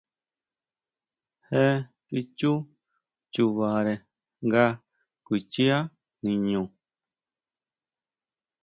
Je kichú chubare nga kuichia niño.